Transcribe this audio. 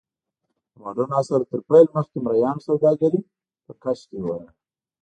د موډرن عصر تر پیل مخکې مریانو سوداګري په کش کې وه.